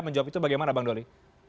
menjawab itu bagaimana bang doli